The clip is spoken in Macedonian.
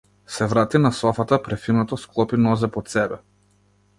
Се врати на софата, префинето склопи нозе под себе.